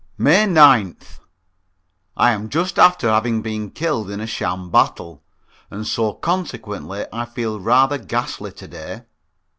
May 9th. I am just after having been killed in a sham battle, and so consequently I feel rather ghastly to day.